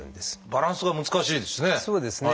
バランスが難しいですね。